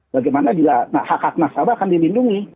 bagaimana bila hak hak nasabah akan dilindungi